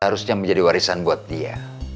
harusnya menjadi warisan buat dia